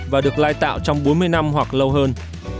và được lai tạo trong bốn mươi năm hoặc lâu hơn